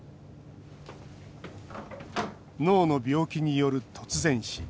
脳の病気による突然死。